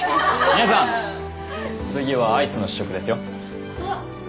皆さん次はアイスの試食ですよあっ